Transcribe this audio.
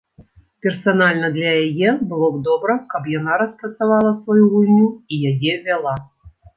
Персанальна для яе было б добра, каб яна распрацавала сваю гульню і яе вяла.